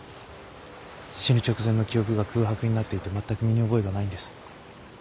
死ぬ直前の記憶が空白になっていて全く身に覚えがないんです。